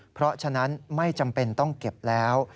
เพราะฉะนั้นไม่จำเป็นต้องเก็บแล้ว